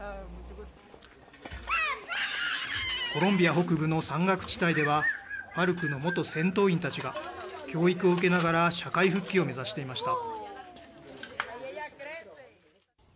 コロンビア北部の山岳地帯では、ＦＡＲＣの元戦闘員たちが、教育を受けながら社会復帰を目指していました。